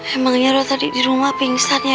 emangnya rok tadi di rumah pingsan ya mak